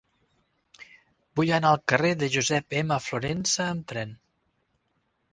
Vull anar al carrer de Josep M. Florensa amb tren.